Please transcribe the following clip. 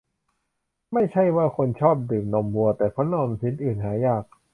ไม่ใช่ว่าคนชอบดื่มนมวัว แต่เพราะนมชนิดอื่นหายาก